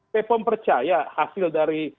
bepom percaya hasil dari